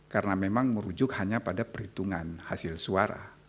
karena memang merujuk hanya pada perhitungan hasil suara